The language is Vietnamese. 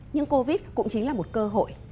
nhưng covid cũng chính là một cơ hội